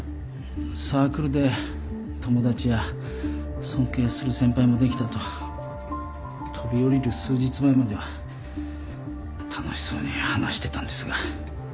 サークルで友達や尊敬する先輩もできたと飛び降りる数日前までは楽しそうに話してたんですが。